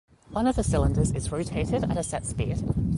One of the cylinders is rotated at a set speed.